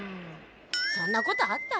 そんなことあった？